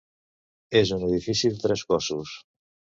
És un edifici de tres cossos.